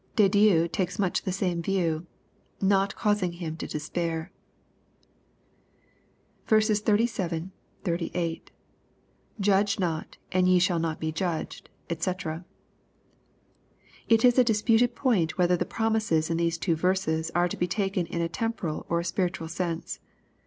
Di^ Dieu takes much the same view, " not causing him to despair." 37, 38. — [Judge not, and ye shall not he judged, ^c] It is a dis puted point whether the promises in these two verses are to be taken in a temporal or spiritual sense.